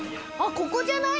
ここじゃない？